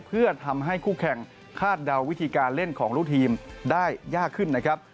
เพื่อทำให้คู่แข่งคาดเดาวิธีการเล่นของลูกทีมได้ยากขึ้นนะครับ